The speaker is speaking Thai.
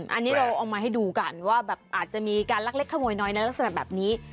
อันนี้เราเอามาให้ดูกันว่าแบบอาจจะมีการลักเล็กขโมยน้อยในลักษณะแบบนี้